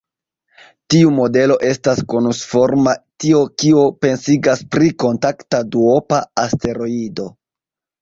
Tiu modelo estas konusforma, tio, kio pensigas pri kontakta duopa asteroido.